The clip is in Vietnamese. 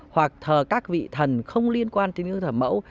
hoặc thở các vị thần không liên quan tín ngưỡng thở mẫu